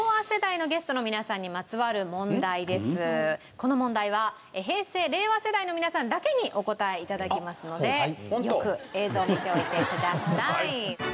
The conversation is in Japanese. この問題は平成令和世代の皆さんだけにお答え頂きますのでよく映像を見ておいてください。